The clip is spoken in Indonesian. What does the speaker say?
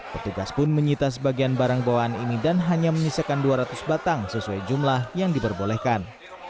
petugas pun menyita sebagian barang bawaan ini dan hanya menyisakan dua ratus batang sesuai jumlah yang diperbolehkan